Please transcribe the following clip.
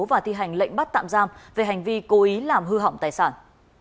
và thi hành lệnh bắt tạm giam về hành vi cố ý làm hư hỏng tài sản